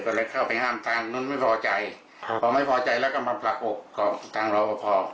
ก็เลยเข้าไปห้ามทางนู้นไม่พอใจครับพอไม่พอใจแล้วก็มาประกบกับทางรอปภ